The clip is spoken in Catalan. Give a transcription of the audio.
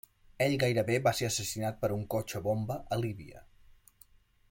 Ell gairebé va ser assassinat per un cotxe bomba a Líbia.